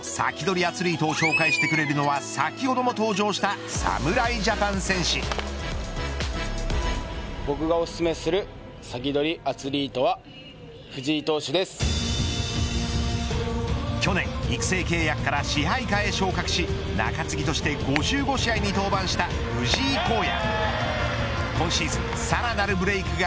アツリートを紹介してくれるのは先ほども紹介した去年、育成契約から支配下へ昇格し中継ぎとして５５試合に登板した藤井晧哉。